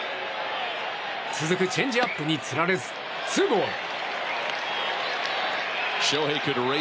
続くチェンジアップにつられずツーボール。